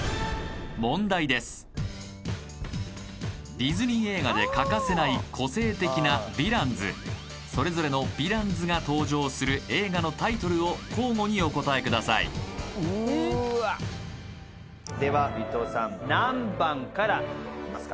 ディズニー映画で欠かせない個性的なヴィランズそれぞれのヴィランズが登場する映画のタイトルを交互にお答えくださいうわでは伊藤さん何番からいきますか？